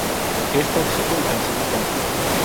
Es tóxico y cancerígeno.